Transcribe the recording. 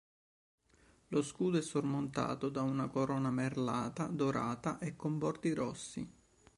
Lo scudo è sormontato da una corona merlata dorata e con bordi rossi.